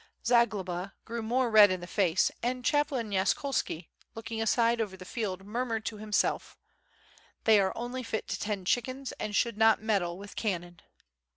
Zagloba grew more red in the face, and chaplain Yaskolski looking aside over the field murmured to himself "they are only fit to tend chickens and should not meddle with cannon."